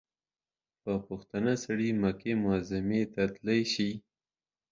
په پوښتنه سړى مکې معظمې ته تلاى سي.